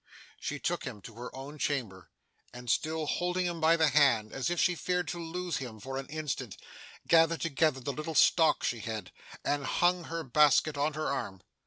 She took him to her own chamber, and, still holding him by the hand as if she feared to lose him for an instant, gathered together the little stock she had, and hung her basket on her arm.